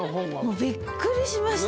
もうびっくりしました。